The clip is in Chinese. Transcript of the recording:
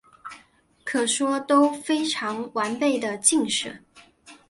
可说都非完备的晋史。